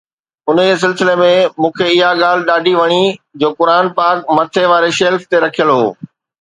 انهيءَ سلسلي ۾ مون کي اها ڳالهه ڏاڍي وڻي جو قرآن پاڪ مٿي واري شيلف تي رکيل هو